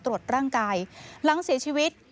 ตรวจร่างกายหลังเสียชีวิต